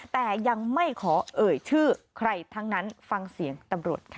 แต่ยังไม่ขอเอ่ยชื่อใครทั้งนั้นฟังเสียงตำรวจค่ะ